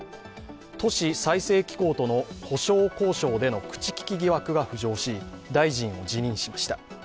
都市再生機構との補償交渉での口利き疑惑が浮上し大臣を辞任しました。